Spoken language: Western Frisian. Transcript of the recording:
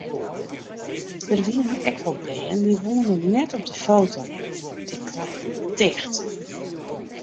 Der wienen ek wol bern dy woenen net op de foto, dy klapten ticht.